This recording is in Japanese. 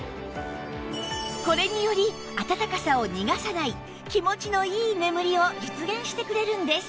これにより暖かさを逃がさない気持ちのいい眠りを実現してくれるんです